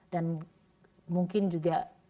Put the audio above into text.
dan mungkin juga